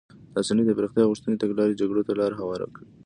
د اسانتي د پراختیا غوښتنې تګلارې جګړو ته لار هواره کړه.